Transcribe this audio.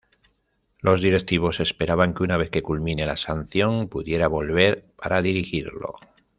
Los directivos esperaban que una vez que culmine la sanción pudiera volver para dirigirlo.